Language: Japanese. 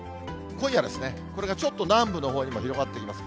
今夜ですね、これがちょっと南部のほうに広がってきます。